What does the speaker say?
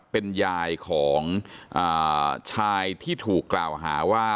เป็นยายของชายที่ถูกกล่าวหาว่า